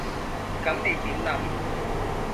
噉你點諗？